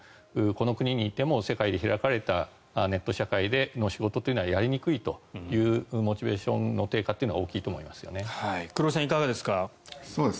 この国にいても世界で開かれたネット社会の仕事というのはやりにくいというモチベーションの低下は黒井さん、いかがですか？